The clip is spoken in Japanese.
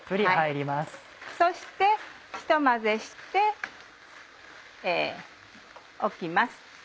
そしてひと混ぜしておきます。